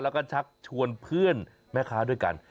แล้วก็ชักชวนเพื่อนแม่ค้าด้วยกัน